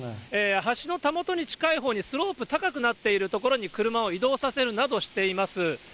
橋のたもとに近いほうにスロープ、高くなっている所に車を移動させるなどしています。